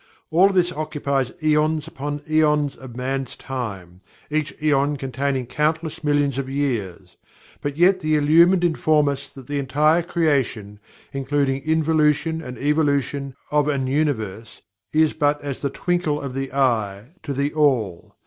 All of this occupies aeons upon aeons of Man's time, each aeon containing countless millions of years, but yet the Illumined inform us that the entire creation, including Involution and Evolution, of an Universe, is but "as the twinkle of the eye" to THE ALL.